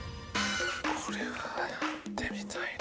これはやってみたいな。